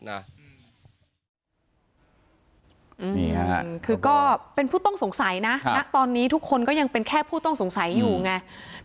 นี่ค่ะคือก็เป็นผู้ต้องสงสัยนะณตอนนี้ทุกคนก็ยังเป็นแค่ผู้ต้องสงสัยอยู่ไง